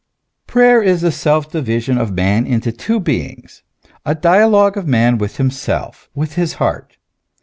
Prayer is the self division of man into two beings, a dialogue of man with himself, with his heart.